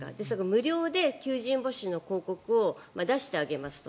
無料で求人募集の広告を出してあげますと。